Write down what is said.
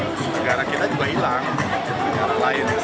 negara kita juga hilang negara lain